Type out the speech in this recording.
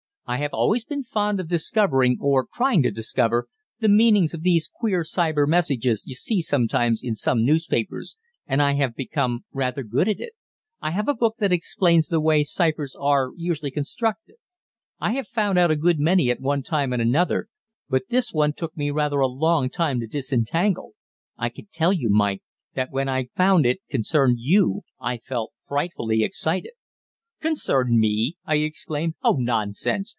"I have always been fond of discovering, or trying to discover, the meanings of these queer cypher messages you see sometimes in some newspapers, and I have become rather good at it I have a book that explains the way cyphers are usually constructed. I have found out a good many at one time and another, but this one took me rather a long time to disentangle. I can tell you, Mike, that when I found it concerned you I felt frightfully excited." "Concerned me!" I exclaimed. "Oh, nonsense.